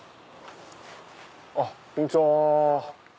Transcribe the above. こんにちは！